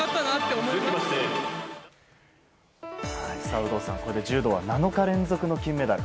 有働さん、これで柔道は７日連続の金メダル。